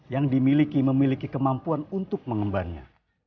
yang dimiliki memiliki kemampuan untuk mengembannya